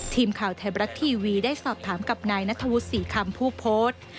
ทีมข่าวไทยบรัฐทีวีได้สอบถามกับนายนัทวุฒิศรีคำผู้โพสต์